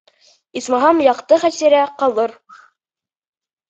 Исмаһам, яҡты хәтирә ҡалыр!